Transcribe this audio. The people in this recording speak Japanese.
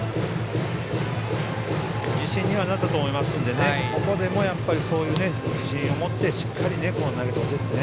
自信にはなったと思いますのでここでも自信を持ってしっかり投げてほしいですね。